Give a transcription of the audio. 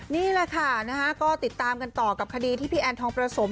นี่แหละค่ะก็ติดตามกันต่อกับคดีที่พี่แอนทองประสม